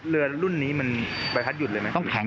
เรือรุ่นนี้ใบพัดหรือย่อยุ่นเลยมั้ย